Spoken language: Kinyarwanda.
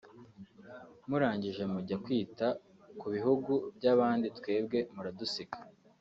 murangije mujya kwita ku bihugu by’abandi twebwe muradusiga